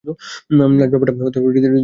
নাচ ব্যাপারটা হৃদয়ের গভীর থেকে আসতে হয়।